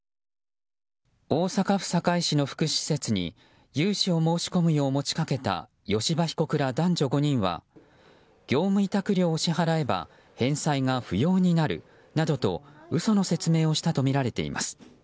大阪府堺市の福祉施設に融資を申し込むよう持ち掛けた吉羽被告ら男女５人は業務委託料を支払えば返済が不要になるなどと嘘の説明をしたとみられています。